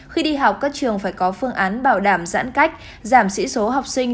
khi đi học các trường phải có phương án bảo đảm giãn cách giảm sĩ số học sinh